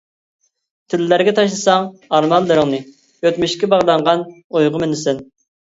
تۈنلەرگە تاشلىساڭ ئارمانلىرىڭنى، ئۆتمۈشكە باغلانغان ئويغا مىنىسەن.